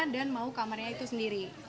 dan mau kamarnya itu sendiri